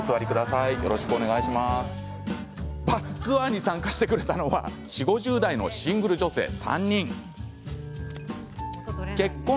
バスツアーに参加してくれたのは４０、５０代のシングル女性３名。